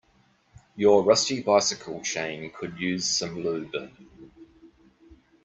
Your rusty bicycle chain could use some lube.